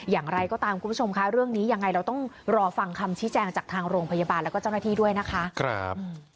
อย่างไรก็ตามคุณผู้ชมคะเรื่องนี้ยังไงเราต้องรอฟังคำชี้แจงจากทางโรงพยาบาลแล้วก็เจ้าหน้าที่ด้วยนะคะ